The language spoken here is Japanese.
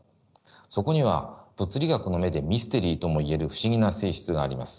そこには物理学の目でミステリーとも言える不思議な性質があります。